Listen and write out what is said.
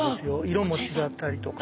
色も違ったりとか。